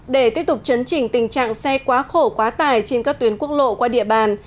để tiếp tục chấn chỉnh tình trạng xe quá khổ quá tải trên các tuyến quốc lộ qua địa bàn